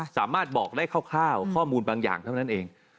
สามารถบอกได้คร่าวข้อมูลบางอย่างเท่านั้นเอง